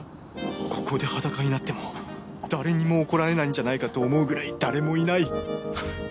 ここで裸になっても誰にも怒られないんじゃないかと思うくらい誰もいないハッ。